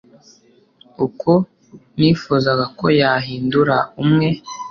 uko nifuzaga ko yahindura umwe